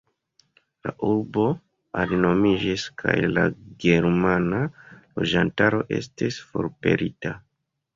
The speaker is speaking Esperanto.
La urbo alinomiĝis kaj la germana loĝantaro estis forpelita.